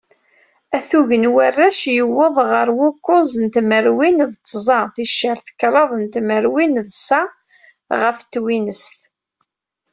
Atug n warrac yewweḍ kan ɣer wukuẓ n tmerwin d tẓa ticcer kraḍ n tmerwin d ssa ɣef twinest.